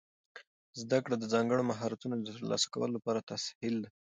زده کړه د ځانګړو مهارتونو د ترلاسه کولو لپاره تسهیل ده.